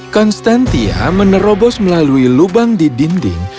konstantia menerobos melalui lubang di dinding